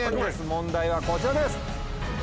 問題はこちらです。